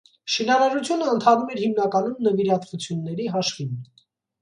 Շինարարությունը ընթանում էր հիմնականում նվիրատվությունների հաշվին։